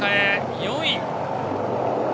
４位！